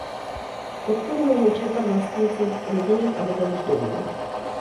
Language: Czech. Podporu mohou čerpat vlastníci rodinných a bytových domů.